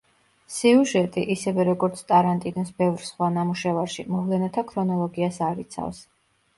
სიუჟეტი, ისევე, როგორც ტარანტინოს ბევრ სხვა ნამუშევარში, მოვლენათა ქრონოლოგიას არ იცავს.